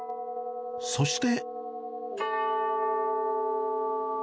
そして。